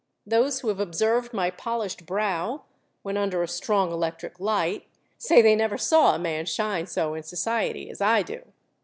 Those who have observed my polished brow, when under a strong electric light, say they never saw a man shine so in society as I do.